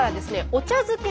お茶漬け！？